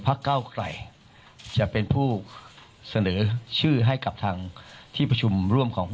เก้าไกลจะเป็นผู้เสนอชื่อให้กับทางที่ประชุมร่วมของ